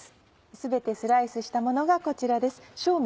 全てスライスしたものがこちらです。